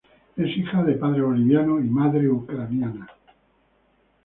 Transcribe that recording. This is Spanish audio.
Es hija de padre boliviano y madre ucraniana.